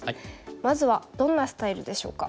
まずはどんなスタイルでしょうか。